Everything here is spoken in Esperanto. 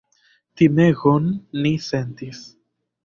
Timegon ni sentis!